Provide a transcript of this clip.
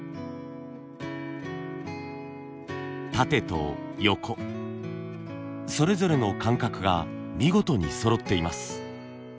縦と横それぞれの間隔が見事にそろっています。